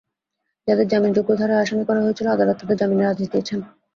যাঁদের জামিনযোগ্য ধারায় আসামি করা হয়েছিল, আদালত তাঁদের জামিনের আদেশ দিয়েছেন।